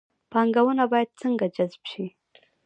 پانګونه باید څنګه جذب شي؟